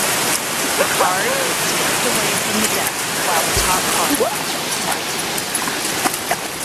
The card is snapped away from the deck while the top card is reset.